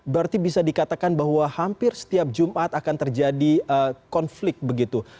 berarti bisa dikatakan bahwa hampir setiap jumat akan terjadi konflik begitu